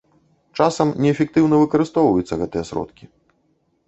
Часам неэфектыўна выкарыстоўваюцца гэтыя сродкі.